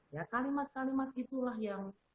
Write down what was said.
ya kalimat kalimat itulah yang